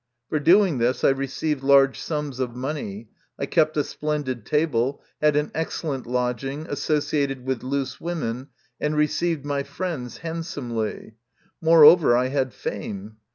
For doing this I received large sums of money ; I kept a splendid table, had an excellent lodging, associated with loose women, and received my friends hand somely ; moreover, I had fame.